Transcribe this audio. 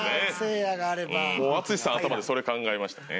もう淳さん頭でそれ考えましたね。